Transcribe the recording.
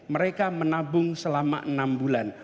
mereka menabung selama enam bulan